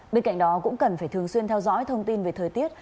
bên cạnh đó cũng cần phải thường xuyên theo dõi thông tin về thời tiết